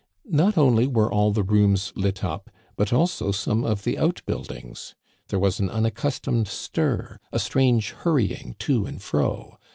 Not only were all the rooms lit up, but also some of the out buildings. There was an unaccustomed stir, a strange hurrying to and fro.